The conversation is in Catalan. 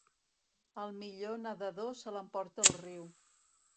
Al millor nedador se l'emporta el riu.